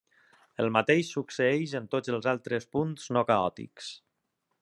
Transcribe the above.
El mateix succeeix en tots els altres punts no caòtics.